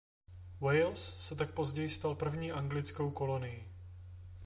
Wales se tak později stal první anglickou kolonií.